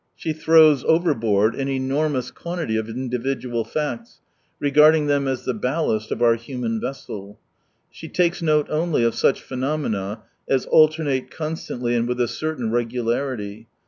She throws overboard an enormous quantity of individual facts, regarding them as the ballast of our human vessel. She takes note only of such phenomena as alternate con stantly and with a certain regularity.